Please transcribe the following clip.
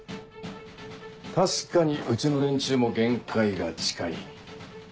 確かにうちの連中も限界が近い。